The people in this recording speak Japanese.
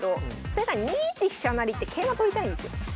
それが２一飛車成って桂馬取りたいんですよ。